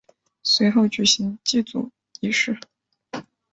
随后举行祭祖仪式。